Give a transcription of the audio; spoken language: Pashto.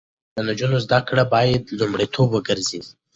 د نجونو زده کړې باید لومړیتوب وګرځي.